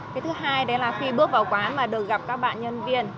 cái thứ hai đấy là khi bước vào quán mà được gặp các bạn nhân viên